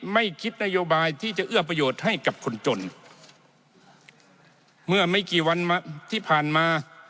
ไม่คิดนโยบายที่จะเอื้อประโยชน์ให้กับคนจนเมื่อไม่กี่วันที่ผ่านมา